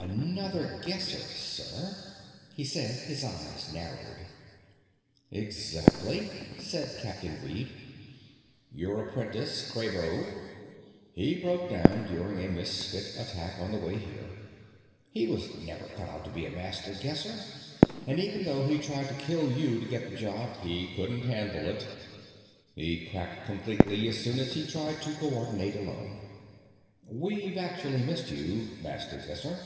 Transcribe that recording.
"Another Guesser, sir," he said. His eyes narrowed. "Exactly," said Captain Reed. "Your apprentice, Kraybo. He broke down during a Misfit attack on the way here; he was never cut out to be a Master Guesser, and even though he tried to kill you to get the job, he couldn't handle it. He cracked completely as soon as he tried to co ordinate alone. We've actually missed you, Master Guesser."